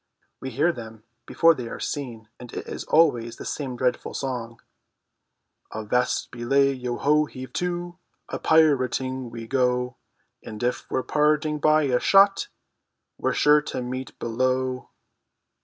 We hear them before they are seen, and it is always the same dreadful song: "Avast belay, yo ho, heave to, A pirating we go, And if we're parted by a shot We're sure to meet below!"